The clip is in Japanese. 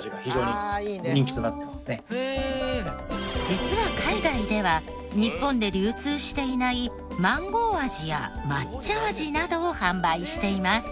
実は海外では日本で流通していないマンゴー味や抹茶味などを販売しています。